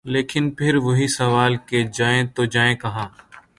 لیکن پھر وہی سوال کہ جائیں تو جائیں کہاں۔